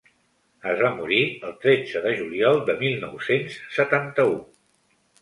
Es va morir el tretze de juliol de mil nou-cents setanta-u.